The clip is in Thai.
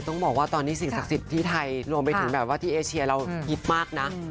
ต้องบอกว่าตอนนี้สิ่งศักดิ์สิทธิ์ที่ไทยรวมไปถึงแบบว่าที่เอเชียเราฮิตมากนะ